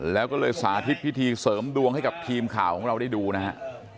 แล้วก็เลยสาธิตพิธีเสริมดวงให้กับทีมข่าวของเราได้ดูนะฮะ